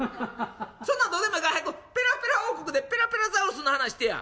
そんなんどうでもええから早くペラペラ王国でペラペラザウルスの話してや」。